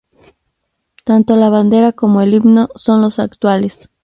Tanto la bandera como el himno son los actuales.